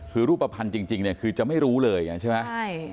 คือรูปภัณฑ์จริงเนี่ยคือจะไม่รู้เลยไงใช่ไหม